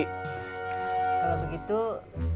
kalau begitu saya juga